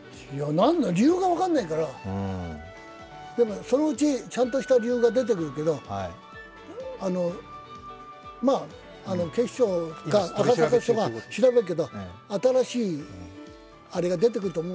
理由が分からないからそのうちちゃんとした理由が出てくるけど警視庁が、赤坂警察署が調べるけど新しいあれが出てくる。